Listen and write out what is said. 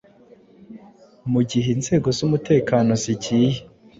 mu gihe inzego z’umutekano zigiye